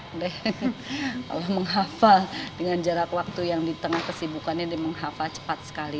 udah allah menghafal dengan jarak waktu yang di tengah kesibukannya dia menghafal cepat sekali